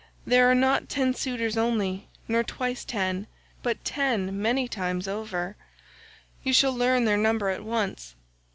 There are not ten suitors only, nor twice ten, but ten many times over; you shall learn their number at once.